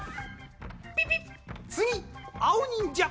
ピピッつぎあおにんじゃ！